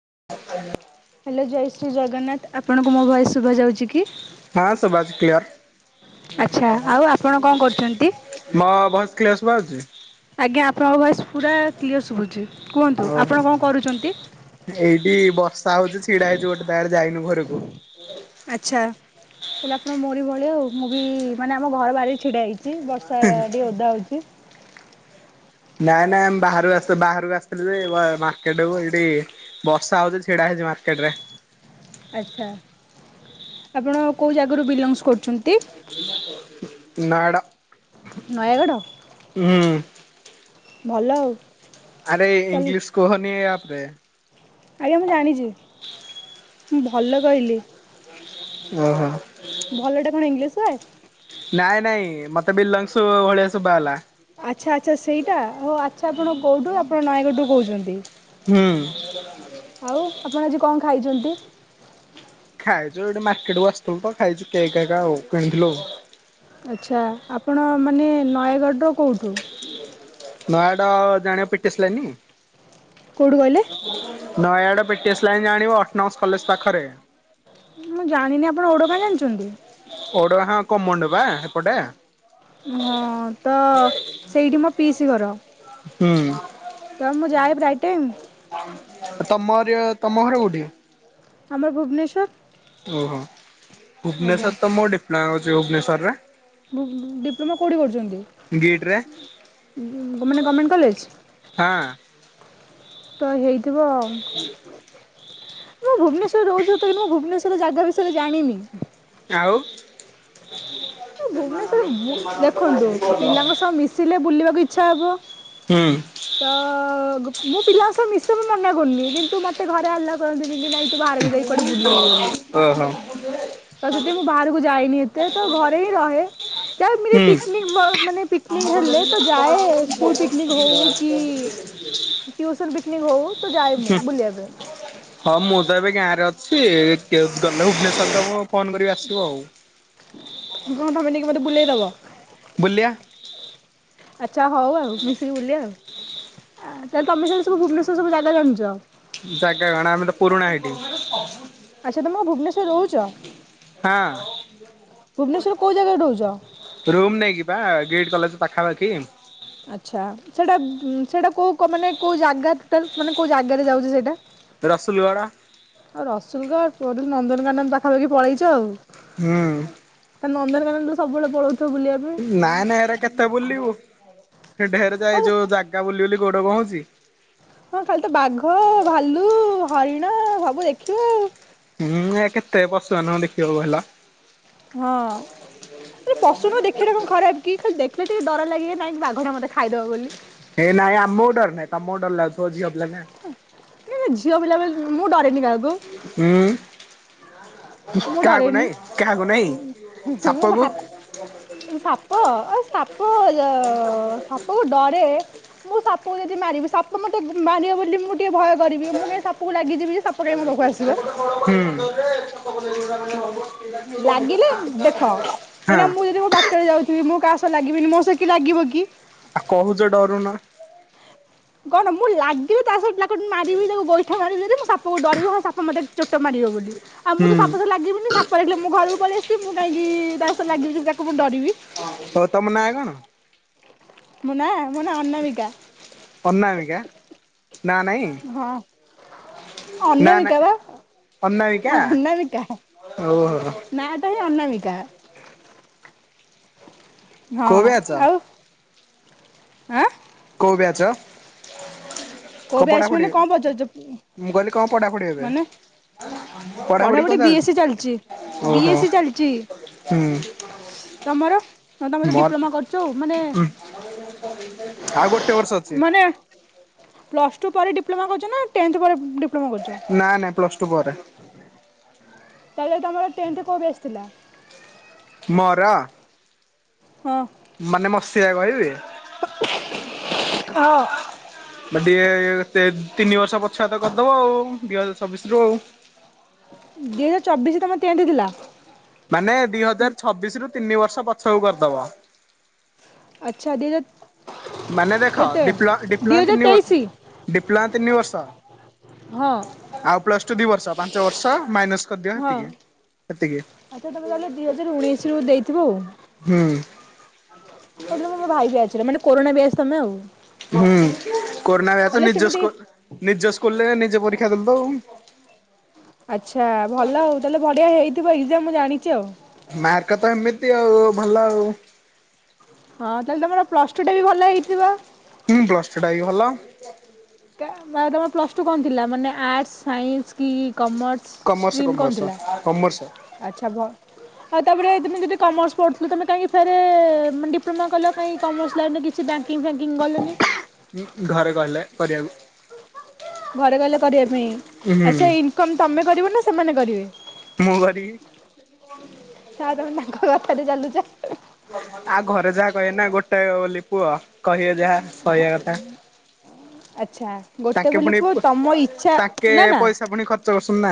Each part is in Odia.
[inaudible] ହ୍ୟାଲୋ ଜୟ ଶ୍ରୀ ଜଗନ୍ନାଥ, ଆପଣଙ୍କୁ ମୋ ଭଏସ ଶୁଭ ଯାଉଛି କି? ହଁ ଶୁଭାଯାଉଛି କ୍ଲିୟର ମୋ ଆଚ୍ଛା ଆଉ ଆପଣ ଭଏସ କଣ କରୁଛନ୍ତି? କ୍ଲିୟର ଶୁଭା ଯାଉଛି! ଆଜ୍ଞା ଆପଣଙ୍କ ଭଏସ ପୁରା କ୍ଲିୟର ଶୁଭୁଛି। କୁହନ୍ତୁ ଓହୋ ଆପଣ କଣ କରୁଛନ୍ତି? ସା ହଉଛି ଛିଡା ହେଇଛି ଗୋଟେ ତାଡେ ଯାଇନୁ ଘରକୁ ଆଚ୍ଛା ହେଲେ ଆପଣ ମୋରି ଭଳିଆ ଆଉ, ମୁଁ ବି ମାନେ ଆମ ଘର ବାହାରି ଛିଡା ହେଇଛି। ଚି ବର୍ଷା ଟିକେ ଓଦା ହଉଛି। ନାଇଁ ନାଇଁ ଆମେ ବାହରୁ ଆସିଥି ବାହାରକୁ ଆସିଥିଲୁ ଯେ ମାର୍କେଟ ଏଠି ବର୍ଷା ହଉଛି ଛିଡା ମାର୍କେଟରେ ଆଛା ଆପଣ କୋଉ ଜାଗାରୁ ବିଲଂସ କରୁଛନ୍ତି? ନୟାଗଡ଼। ନୟାଗଡ଼? ଭଲ ଆଉ। ଆରେ ତାହେଲେ ଇଂଲିଶ କୁହନି ଏଇ ଆପରେ। ଆଜ୍ଞା ମୁଁ ଜାଣିଛି। [inaudible] ମୁଁ ଭଲ କହିଲି। ଓ ହୋ। ଭଲଟା କଣ ଇଂଲିଶ ୱାର୍ଡ? ନାଇଁ ନାଇଁ ମତେ ବ ବିଲଙ୍ଗସ ଭଳିଆ ଶୁଭା ଗଲା। ଆଚ୍ଛା ଆଚ୍ଛା ସେଇଟା ହଉ ଆଚ୍ଛା ଆପଣ କୋଉଠୁ ଆପଣ ନୟାଗଡ଼ ରୁ କହୁଛନ୍ତି। ହୁଁ। ଆଉ ଆପଣ ଆଜି କଣ ଖାଇଛନ୍ତି। ଖାଇଛୁ ଏଠି ମାର୍କେଟକୁୁ ଆସିଥିଲୁ ତ ଖାଇଛୁ କେକ ହେକା ଆଉ କିଣିଥିଲୁ। ଆଚ୍ଛା ଆପଣ ମାନେ ନୟାଗଡ଼ର କୋଉଠୁ? ନୟାଗଡ଼ ଜଣିବ ପି ଟି ଏସ ଲୀଇନି କୋଉଠୁ କହିଲେ? Nayagarh P T S line ଜାଣିବ ଅଟନମୋଶ କଲେଜ ପାଖରେ। ମୁଁ ଜାଣିନି ଆପଣ ଓଡୋଗାଁ ଜାଣିଛନ୍ତି। ଓଡଗାଁ କୋମଣ୍ଡ ବା ହେପଟେ। ହଁ ତ ସେଇଠି ମୋ ପିସି ଘର। ହୁଁ। ତ ମୁଁ ଯାଏଁ ପ୍ରାୟ ଟାଇମ୍। ତମର ରି ତମ ଘର କୋଉଠି? ଆମର ଭୁବନେଶ୍ୱର। ଓହୋ ଆଜ୍ଞା। ଭୁବନେଶ୍ୱର ତ ମୋ ଡିପ୍ଲୋମା କରୁଛି ଭୁବନେଶ୍ଵର ରେ। ଭୁ ଭୂ ଡିପ୍ଲୋମା କଉଠି କରୁଛନ୍ତି? ଗିଟ୍ ରେ ମାନେ ଗର୍ମେଣ୍ଟ କଲେଜ? ହଁ ତ ହେଇଥିବ ଅ ମୁଁ ଭୁବନେଶ୍ୱର ରହୁଛି ସତକିନ୍ତୁ ମୁଁ ଭୁବନେଶ୍ୱର ଜାଗା ବିଷୟରେ ଜାଣିନି। ଆଉ ଭୁବନେଶ୍ଵର ବୁ ଦେଖନ୍ତୁ ପିଲାଙ୍କ ସହ ମିଶିଲେ ବୁଲିବାକୁ ଇଚ୍ଛା ହବ। ତ ଗୁ ମୁଁ ପିଲା ସହ ମିଶ ସବୁ ମନା କରୁନି କିନ୍ତୁ ମୋତେ ଘରେ ଆଲ୍ଲା କରନ୍ତିନି କି ନାଇଁ ତୁ ବାହାରକୁ ଯାଇକି କୁଆଡେ ବୁଲିବୁ ବୋଲି ତ ସେଠି ମୁଁ ବାହାରକୁ ଯାଇନି ଏତେ ତ ଘ ଏଇ ରହେ। ଯା ପିକିନିକ ମାନେ ପିକି ନିକ ହେଲେ ତ ଯାଏ ସ୍କୁଲ ପିକନିକ ହଉ କି ଟିୟୁସନ୍ ପିକିନିକ ହଉ। ତ ଯାଏ ମୁଁ ବୁଲିବା ପାଇଁ। ହୁଁ ମୁଁ ତ ଏବେ ଗାଁ ଅ ଛି ଗଲେ ଭୁବନେଶ୍ଵର ତମକୁ ଫୋନ କଲେ ଆସିବ ଆଉ। କଣ ତମେ ନେଇକି ମୋତେ ବୁଲେଇ ଦବ ବୁଲିବା। ଚା ହଉ ଆଉ ମିଶିକି ବୁଲିବା ଆଉ। ତମେ ତା ହେଲେ ଭୁବନେଶ୍ବର ସବୁ ଜାଗା ଜାଣିଛ? ଜାଗା କଣ ଆମେ ତ ପୁରୁଣା ହେଇଠି। ଆଚ୍ଛା ତମେ କଣ ଭୁବେନେଶ୍ୱର ରହୁଛ? ହଁ ଭୁବନେଶ୍ଵର କୋଉ ଜାଗାରେ ରହୁଛ? କିଟ୍ କଲେଜ ପାଖାପାଖି। ଆଚ୍ଛା ସେଇଟା ସେଇଟା କେଉଁ ମାନେ କେଉଁ ଜାଗା ଟୋଟା ମାନେ କେଉଁ ଜାଗାରେ ଯାଉଛି ସେଇଟା। ରସୁଲଗଡ। ଆଉ ରସୁଲଗଡ ନନ୍ଦନକାନନ ପାଖାପାଖି ପଳେଇଛ ଆଉ। ହୁଁ। ନନ୍ଦନକାନନରୁ ସବୁବେଳେ ପଳଉଚ। ନାଇଁ ନାଇ ଏରେ କେତେ ବୁଲିବୁ ଢେର ଯାଏ ଆଉ ଯୋଉ ଜାଗା ବୁଲି ବୁଲି। ଗୋଡ଼ କଣ ହଉଛି। ହଁ ଖାଲି ତ ବାଘ ଭାଲୁ ହରିଣା ସବୁ ଦେଖିବୁ ଆଉ। ହୁଁ ଏ କେତେ ବସ ଆ ନ ଦେଖିବାକୁ ହେଲା। ହଁ ପସନ୍ଦ ଦେଖିବାଟ କଣ ଖରାପ କି ଖାଲି ଦେଖିଲ। ଟେ ଡର ଲାଗିବେ ନାାଇଁ ବାଘରେ ମୋତେ ଖାଇଦବ ବୋଲି। ହେ ନାଇଁ ଆ ମୋଡର ନାଇଁ ତ ମୋଡର ଲାଗଥ ଝିଅ। ପିଲା ନା। ଝିଅ ବିଲବେ ମୁଁ ଡରେନି କାହାକୁ। ହୁଁ। ମୁଁ କାହାକୁ ଡରେନି ନାଇଁ କାହାକୁ ନାଇଁ ମୁଁ ସାପ କୁ ଭାପ ସାପ ଆ ସାପ ସାପ କୁ ସବୁ ଡରେ। ମୁଁ ସାପ ଯଦି ମାରିବି ସାପ ମତେ ମାରିବ ବୋଲି ମୁଁ। ଟିକେ ଭୟ କରିବି ମୁଁ କାଇ ସାପ କ ଲାଗିଯିବି ଯେ ସାପ କାଇହିଁ ମୋ ପାଖକୁ ଆସିବ। ଲାଗିଲେ ଦେଖ ହଁ ଏଇନା ମୁଁ ଯଦି ମୋ ପାଟରେ ଯାଉଥିବି ମୋ କାହା ସହ ଲାଗି ଲିବିନି ମୋସ କି ଲାଗିବ କି। ଆଉ କହୁଛ ଡରୁନ। କଣ ମୁଁ ଲାଗିବି ତା ସହିତ ତା ମାରିବି ତାକୁ ଗୋଇଠା ମାରିବି ମୁଁ ସାପାକୁ ଡରିବି ହଁ ସାପ ମତେ। ଚୋଟ ମାରିବ ବୋଲି ଆଉ ମୁଁ ହୁଁ ତ ସାପସ ଲାଗିବିନି ସାପ ଲାଗିଲେ ମୁଁ ଘରକୁ ପଳ ଆସିବି ମୁଁ କାହିଁକି ସ ଲାଗିବଛି ସେ ତାକୁ ମୁଁ ଡିରିବି। ହଉ ତମ ନାଁ କଣ। ମୋ ନାଁ ମୋ ନା ଅନାମିକା ଅନାମିକା ନା ନାଇଁ ହଁ। ନା ନା ଅନାମିକା ପା। ଅନାମିକା ଅନାମିକା ଓହୋ ନା ଟା ହିଁ ଅନାମିକା। ହଁ କୋଉ ବ୍ୟାଚ୍ ଆଉ ଆଁ। କୋଉ ବ୍ୟାଚ୍। କଣ କୋଉ ବ୍ୟାଚ ଆସି ପଢାପଢି ମାନେ କଣ ମୁଁ କହିଲି କଣ ପଢାପଢି ପଚାରୁଛ ଏବେ ମାନେ? ପଢାପଢି ବି ଏସ୍ ସ ଚାଲିଛି ବି ଓହୋ ଏସ୍ ସି ଚାଲିଛି। ହୁଁ ତମର ହ ତ ମତେ ମୋର ଡିପ୍ଲୋମା କରୁଛ ଆଉ ମାନେ। ଆଉ ଗୋଟେ ବର୍ଷ ଅଛି। ପ୍ଲସ ଟୁ ପରେ ଡିପ୍ଲୋମା କରୁଛ ଟେନ୍ଥ ପରେ। ଡିପ୍ଲୋମା କରୁଛ ନାାଇ ନାାଇଁ ପ୍ଲସ ଟୁ ପରେ। ତାପରେ ତୁମର ଟ୍ରେନରେ କେଉଁ ବି ଆସିଥିଲା। ମୋର ହଁ ମାନେ ମସିଆ କହିବି। ହଁ। ଟିକେ ତିନି ବର୍ଷ ପଛୁଆ ତ କରିଦବ ଆଉ ଦିଇ ହଜାର ଚଛବିଶ ରୁ ଆଉ। ଦିଇ ହଜାର ଚବିଶରେ ତମର ଟେନ୍ଥଥିଲା। ମାନେ ଦି ହଜାର ଛବିଶ ରୁ ତିନି ବର୍ଷ ପଛକୁ କରିଦବ। ଆଚ୍ଛା ଦି ବର୍ଷ। ମାନେ ଦେଖଡି ଡି- ଦୁଇ ହଜାର ତିନି ତେଇଶି ଡିପ୍ଲାଁ ତିନି ବର୍ଷ। ହଁ ଆଉ ପ୍ଲସ ଟୁ ଦି ବର୍ଷ ପାଞ୍ଚ ବର୍ଷ ମାଇନ୍ସ ହଁ କରିଦିଅ। ହେତିକି ଆଚ୍ଛା ତମେ ତାହେଲେ ଦିଇ ହଜାର ଉଣେଇଶ ରୁ ଦେଇଥ ଆଉ। ହୁଁ ସେଦିନଁ ମୋ ଭାଇ ବାଚ୍ ର ମାନେ କରୋନା ବ୍ୟାଚ ତମେ। ହୁଁ କରୋନା ବ୍ୟାଚ ତାହେଲେ ନିଜ ସେମିତି ସ୍ ନିଜ ସ୍କୁଲଲେ ନିଜେ ପରି ଦେଖାଦଲ। ଆଚ୍ଛା ଭଲ ଆଉ ତାହେଲେ ବଢିଆ ହେଇଥିବ ଏକ୍ଜାମ ମୁ ଜାଣିଛି ଆଉ। ମାର୍କ ତ ଏମିତି ଆଉ, ଭଲ ଆଉ ହଁ ତାହଲେ ତମର ପ୍ଲସ ଟୁ ଟା ବି ଭଲ ହେଇଥିବ? ସେଟାବି ଭଲ ର ପ୍ଲସ ଟୁ କଣ ଥିଲା ମାନେ ଆର୍ଟ ସାଇନ୍ସ କି? କମର୍ସ କମର୍ସ ଷ୍ଟ୍ରିମ୍ କଣ କମର୍ସ ଥିଲା, କମର୍ସ। ଆଛା ଭ ଆଉ ତାପରେ ତମେ ଯଦି କମର୍ସ ପଢୁଥିଲ, ତମେ କାହିଁକି ପରେ ଡିପ୍ଲୋମା କଲ କାଁଇ କମର୍ସ ଲାଇନ୍ ରେ କିଛି ବ୍ୟାଙ୍କଙ୍ଗ ବ୍ୟାକିିଙ୍ଗ କଲ ନି? ଉଁ ଘରେ କହିଲେ କରିବାକୁ ଘରେ ଗହିଲେ କରିବା ପାଇଁ, ଆଛା, ହୁଁ। ଇନକମ ତମେ କରିବ ନା ସେମାନେ କରିବେ? ମୁଁ କରିବି। ଆଉ ତମେ ତାଙ୍କ କଥାରେ ଚାଲୁଚ। ଆଉ ଘରେ ଯାହା କହିବେନା ଗୋଟେ ବୋଲି ପୁଅ କହିହେ ଆଛା ଗୋଟେ ତାଙ୍କେ ବୋଲି ପୁଣି ପୁଅ, ତମ ଇଛା ନା ନା ସୁନା।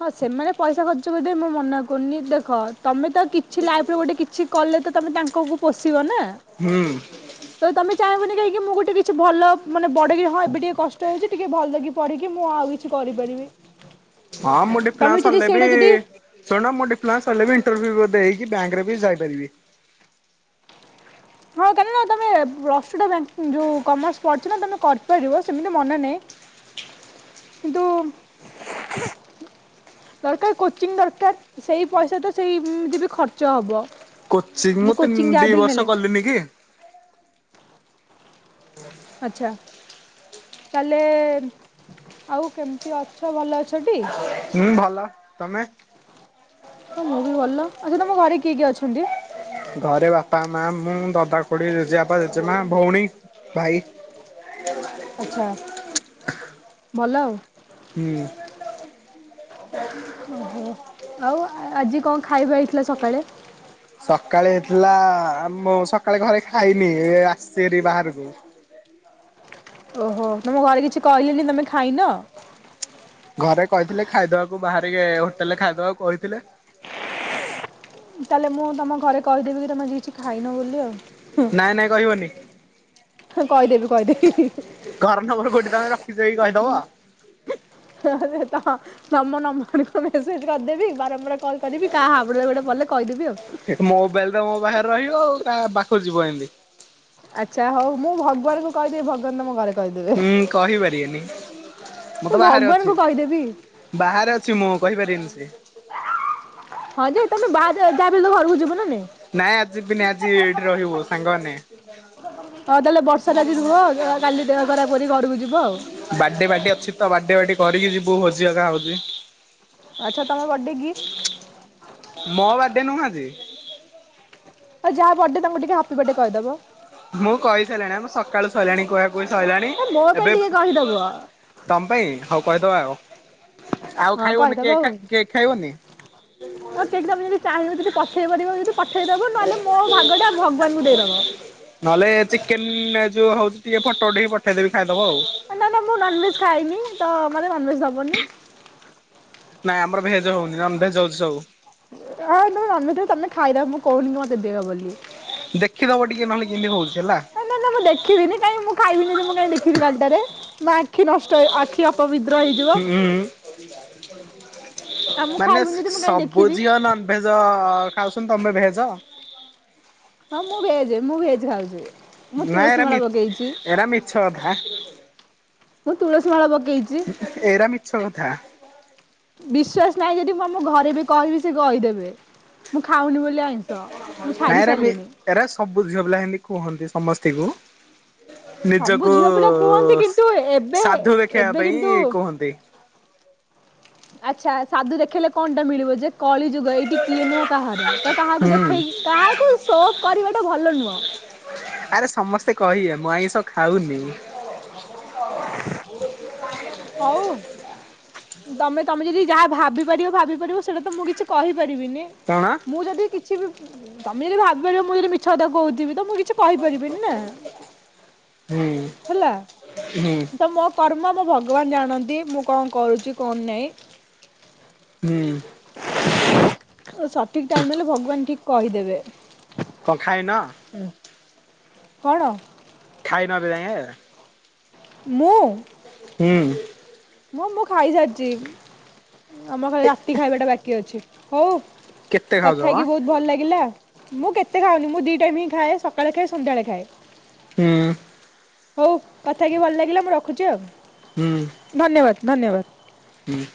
ହଁ ସେମାନେ ପଇସା ଖର୍ଚ୍ଚ କରିଦେବେ ମୁଁ ମନା କରୁନି ଦେଖ, ତମେ ତ କିଛି ଲାଇଫରେ ଗୋଟେ କିଛି କଲେ ତ ତମେ ତାଙ୍କ କୁ ପୋଷିବ ନା? ହୁଁ ଉଁ ତାହାବୋଲି କାହିଁକି ମୁଁ ଗୋଟେ କିଛି ଭଲ ମାନେ ବଡକି, ହଁ ଏବେ ଟିକେ କଷ୍ଟ ହଉଛି ଟିକେ ଭଲକି ପଢିକି ମୁଁ ଆଉ କିଛି କରିପାରିବି। ହଁ ମୋ ତମେ ଡିପ୍ଲୋମା ଯଦି ସରିଲେବି, ସେଇଟା ଯଦି ଶୁଣ ମୋ ଡ଼ିପ୍ଳୋମା ସରିଲେବି ଇଣ୍ଟରଭିଉ ଦେଇକି ବ୍ୟାଙ୍କରେ ବି ଯାଇପାରିବେ। ହଁ କାହିଁକି ନା ତମେ ଯୋଉ କମର୍ସ ପଢ଼ିଛନା, ତମେ କରିପାରିବ, ସେମିତି ମାନେ ନାହିଁ। [unintelligible] କିନ୍ତୁ ଉ ଦରକାର କୋଚିଂ ଦରକାର, ସେଇ ପଇସା ତ ସେଇ ଏମିତି ବି ଖର୍ଚ୍ଚ ହବ। କୋଚି ଯେ ମୁଁ କୋଚିଂ ତିନି ଯାହା ଦି ବି ହେଲେ ବର୍ଷ ନେଲେ ଗଲିନି କି? ଆଛା ତାହେଲେ ଆଉ କେମିତି ଅଛ? ଭଲ ଅ ହୁଁ ଭଲ ତମେ ହଁ ମୁଁ ବି ଭଲ, ଆଛା ତମ ଘରେ କିଏ କିଏ ଅଛନ୍ତି? ଘରେ ବାପା ମା, ମୁଁ, ଦଦା, ଖୁଡି, ଜେଜେବାପା, ଜେଜେମା, ଭଉଣୀ, ଭାଇ ଆଚ୍ଛା [unintelligible] ଭଲ ଆଉ ହୁଁ ଉଁ ଆଉ ଆଜି କଣ ଖାଇବା ହେଇଥିଲା ସକାଳେ। ସକାଳେ ହେଇଥିଲା ଆମ ସକାଳେ ଘରେ ଖାଇନି ଆସିବରି ବାହାରକୁ ଓହୋ, ତମ ଘରେ କିଛି କହିଲେନି, ତମେ ଖାଇନ? ଘରେ କହିଥିଲେ ଖାଇଦବାକୁ, ବାହାରିକି ହୋଟେଲରେ ଖାଇଦବାକୁ କହିଥିଲେ। ତାହେଲେ ମୁଁ ତମ ଘରେ କହିଦେବି କି ତମେ କିଛି ଖାଇନ ବୋଲି ଆଉ ନାଇଁ ନାଇଁ କହିବନି। ହଁ କହିଦେବି କହିଦେବି। ଘର ନବର କୋଉଠି ତମେ ରଖିଛକି, କହିଦବ [unintelligible] ନମ୍ବର ନମ୍ବରକୁ ମେସେଜ କରିଦବି ବାର କଲ କରିବି, କାହା ହାବୁଡରେ ଗୋଟେ ପଡ଼ିଲେ କହିଦେବି ଆଉ ମୋବାଇଲ ତ ମୋ ପାଖରେ ରହିବ ଆଉ ପାଖକୁ ଯିବ ଏମିତି ଆଛା ହଉ, ମୁଁ ଭଗବାନଙ୍କୁ କହିଦେବି, ଭଗବାନ ତମ ଘରେ କହିଦେବେ। ହୁଁ କହିପାରିବେନି ମୁଁ ତ ବାହାରେ ଅଛି, ଭଗବାନଙ୍କୁ କହିଦେବି। ବାହାରେ ଅଛି ମୁଁ, କହିପାରିବିନି ସେ ହଁ ଯେ ତମେ ବାହାରେ ଯାହାବି ହେଲେ ତ ଘରକୁ ଯିବ ନା ନାଇ। ନାଇଁ ଆଜି ଯିବିନି ଆଜି, ଏଇଠି ରହିବୁ ସାଙ୍ଗମାନେ। ହଁ ତାହେଲେ ବର୍ଷାରେ ଆଜି ରୁହ, କାଲି ଦେହ ଖରାପ ଘରକୁ ଯିବ ଆଉ ବାର୍ଥଡେ ପାର୍ଟି ଅଛି ତ, ବାର୍ଥଡେ ପାର୍ଟି କରିକି ଯିବୁ, ଭୋଜି ହେଇକା ହଉଛି। ଆଚ୍ଛା ତମ ବର୍ଥଡେ କି? ମୋ ବାର୍ଡେ ନୁହୁଁ ଆଜି। ଆଉ ଯାହା ବର୍ଡେ ତାଙ୍କୁ ଟିକେ ହାପି ବାର୍ଡେ କହିଦବ। ମୁଁ କହିସାଇଲିଣି ଆମ ସକାଳୁ ସଇଲାଣି କୁହା କୁହି। ସଇଲାଣି ଏ ମୋ ପାଇଁ ଏବେ ଟିକେ କହିଦବ। ତମ ପାଇଁ ହୋଉ କହିଦବା ଆଉ ଆଉ ହଁ ଖାଇବନି କେ ଖା କେକ୍ ଖାଇବନି। ହଁ କେକ୍ ତମେ ଯଦି ଚାହିଁବ ଯଦି ପଠେଇ ପାରିବ ଯଦି ପଠେଇଦବ ନହେଲେ ମୋ ଭାଗ ଟା ଭଗବାନଙ୍କୁ ଦେଇଦବ। [inaudible] ନହେଲେ ଚିକେନ ଯୋଉ ହୋଉଚି ଟିକେ ଫଟୋ ଉଠେଇକି ପଠେଇଦେବି ଖାଇଦବ ଆଉ। ଏ ନାଁ ନାଁ ମୁଁ ନନ୍ ଭେଜ ଖାଇନି ତ ମତେ ନନ୍ ଭେଜ ଦବନି। ନାଇଁ ଆମର ଭେଜ ହୋଉନି ନନ୍ ଭେଜ୍ ହୋଉଚି ସବୁ। ନାଇଁ ତମେ ନନ୍ ଭେଜଟାକୁ ତମେ ଖାଇଦବ ମୁଁ କୋହୁନି କି ମତେ ଦିଅ ବୋଲି। ଦେଖିଦବ ଟିକେ ନହେଲେ କିନ୍ତି ହୋଉଚି ହେଲା। ନା ନା ନା ମୁଁ ଦେଖିବିନି କାଇଁ ମୁଁ ଖାଇବିନି ମୁଁ କାଇଁ ଦେଖିବି କାଲିଟାରେ। ମୋ ଆଖି ନଷ୍ଟ ହେ ଆଖି ଅପବିତ୍ର ହେଇଯିବ। ହୁଁ ଆଉ ମୁଁ ମାନେ ଖାଇବିନି ସ ଯଦି ମୁଁ କାହିଁ ସବୁ ଦେଖିବି ଝିଅ ନନଭେଜଅ ଖାଉଛନ୍ତି ତମେ ଭେଜ। ହଁ ମୁଁ ଭେଜ [unintelligible] ନାଇଁ ତୁଳସୀ ହେରା ମାଳ ମି ପକେଇଛି ଏରା ମିଛ କଥା। ମୁଁ ତୁଳସୀ ମାଳ ପ ଏରା ମିଛ କଥା। ବିଶ୍ଵାସ ନାହିଁ ଯଦି ମୁଁ ଆମ ଘରେ ବି କହିବି ସେ କହିଦେବେ ମୁଁ ଖାଉନି ବୋ ନାଇଁ ଏରା ମୀ ଏରା ସବୁ ଝିଅ ପିଲା ହେନ୍ତି କୁହନ୍ତି ସମସ୍ତିଙ୍କୁ। ସବୁ ନିଜକୁ ଝିଅ ପିଲା କୁହନ୍ତି କିନ୍ତୁ ଏବେ ସାଧୁ ଦେଖେଇବା ଏବେ କିନ୍ତୁ ପାଇଁ କୁହନ୍ତି। ଆଚ୍ଛା ସାଧୁ ଦେଖେଇଲେ କଣ ଟା ମିଳିବ ଯେ। କଳି ଯୁଗ ଏଇଟି କିଏ ନୁହଁ କାହାର ତ କାହାକୁ ହୁଁ ଦେଖେଇକି କାହାକୁ ସୋ ଅପ୍ କରିବାଟା ଭଲ ନୁହଁ। ଆରେ ସମସ୍ତେ କହିବେ ମୁଁ ଆଇଁଷ ଖାଉନି। [inaudible] ହଉ ତମେ ତମେ ଯଦି ଯାହା ଭାବି ପାରିବ ଭାବି ପାରିବ ସେଇଡା ତ ମୁଁ କିଛି କହି ପାରିବିନି କଣ? ମୁଁ ଯଦି କିଛି ବି ତମେ ଯଦି ଭାବିପାରିବ ମୁଁ ଯଦି ମିଛ କଥା କୋହୁଥିବି ତ ମୁଁ ଛ କହିପାରିବିନି ନା ହୁଁ ହେଲା ହୁଁ ତ ମୋ କର୍ ର୍ମ ମୋ ଭଗବାନ ଜାଣନ୍ତି ମୁଁ କଁ କରୁଚି କଁ ନାଇଁ। ହୁଁ। ଆଉ ସଠିକ୍ ଟାଇମ୍ ହେଲେ ଭଗବାନ ଠିକ କହିଦେବେ। କଣ ଖାଇନ। କଣ। ଖାଇନ ଏବେ ଯାଙ୍କେ। ମୁଁ। ହୁଁ। ମୁଁ ମୁଁ ଖାଇସାରିଚି ଆମର ଖାଲି ରାତି ଖାଇବାଟା ବାକି ଅଛି ହୋଉ। କେତେ ଖାଉଛ କଥା ମ? ହେଇକି ବୋହୁତ ଭଲ ଲାଗିଲା। ମୁଁ କେତେ ଖାଉନି ମୁଁ ଦିଇ ଟାଇମ୍ ହିଁ ଖାଏ ସକାଳେ ଖାଏ ସନ୍ଧ୍ୟାବେଳେ ଖାଏ। ହୁଁ। ହୋଉ କଥା କିି ଭଲ ଲାଗିଲା ମୁଁ ରଖୁଚି ଆଉ। ହୁଁ। ଧନ୍ୟବାଦ ଧନ୍ୟବାଦ। ହୁଁ।